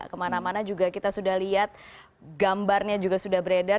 kemana mana juga kita sudah lihat gambarnya juga sudah beredar